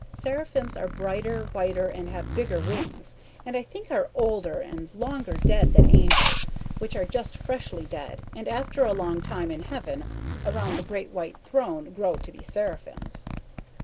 Seraphims are brighter whiter and have bigger wings and I think are older and longer dead than angels which are just freshly dead and after a long time in heaven around the great white throne grow to be seraphims.